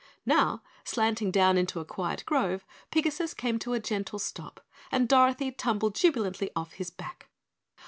Now, slanting down into a quiet grove, Pigasus came to a gentle stop and Dorothy tumbled jubilantly off his back.